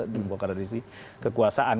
dibongkar dari sisi kekuasaan